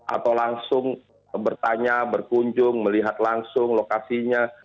atau langsung bertanya berkunjung melihat langsung lokasinya